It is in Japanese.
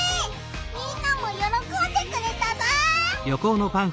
みんなもよろこんでくれたぞ！